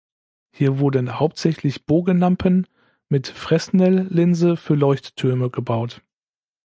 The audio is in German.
Hier wurden hauptsächlich Bogenlampen mit Fresnel-Linse für Leuchttürme gebaut.